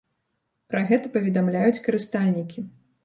Пра гэта паведамляюць карыстальнікі.